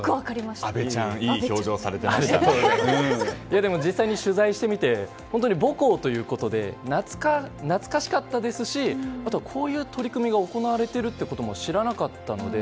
でも、実際に取材してみて本当に母校ということで懐かしかったですしあと、こういう取り組みが行われていることも知らなかったので。